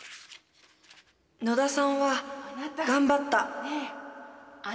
野田さんは頑張った。